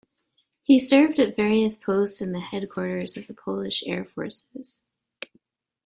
He served at various posts in the Headquarters of the Polish Air Forces.